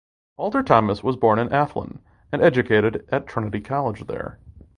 Walter Thomas was born in Athlone and educated at Trinity College there.